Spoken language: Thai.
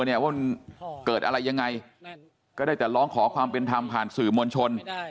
เนี่ยว่ามันเกิดอะไรยังไงก็ได้แต่ร้องขอความเป็นธรรมผ่านสื่อมวลชน